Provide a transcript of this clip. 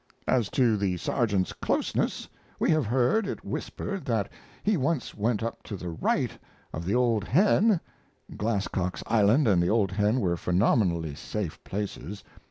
As to the Sergeant's "closeness," we have heard it whispered that he once went up to the right of the "Old Hen," [Glasscock's Island and the "Old Hen" were phenomenally safe places.